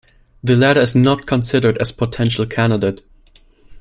The latter is not considered as potential candidate.